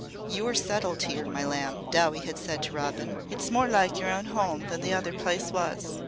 "You're settled here, my lamb," Dowie had said to Robin. "It's more like your own home than the other place was.